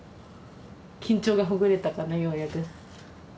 緊張がほぐれたかなようやく。